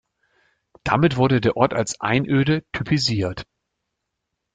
Damit wurde der Ort als Einöde typisiert.